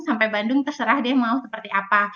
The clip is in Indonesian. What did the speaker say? sampai bandung terserah deh mau seperti apa